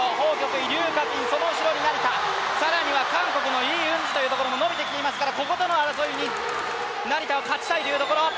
イ、柳雅欣、その後ろに成田、更には韓国のイ・ウンジというところも伸びていますからこことの争いに成田は勝ちたいところ。